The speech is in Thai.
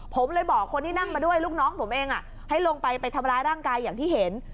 ผมเลยบอกคนที่นั่งมาด้วยลูกน้องผมเองให้ลงไปไปทำร้ายร่างกายอย่างที่เห็น